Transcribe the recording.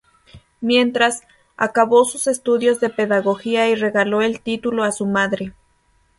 Mientras, acabó sus estudios de pedagogía y regaló el título a su madre.